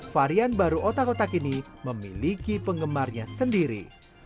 varian baru otak otak ini memiliki penggemarnya sendiri